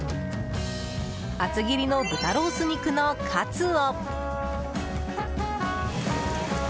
厚切りの豚ロース肉のカツを。